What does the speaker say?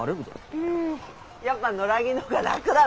うんやっぱ野良着の方が楽だな。